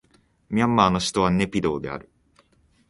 ミャンマーの首都はネピドーである